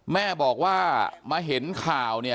แม่บอกว่ามาเห็นข่าว